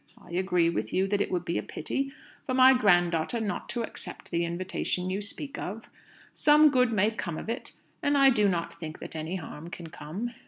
I agree with you that it would be a pity for my grand daughter not to accept the invitation you speak of. Some good may come of it, and I do not think that any harm can come.